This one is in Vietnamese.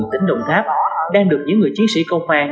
tỉnh đồng tháp đang được những người chiến sĩ công an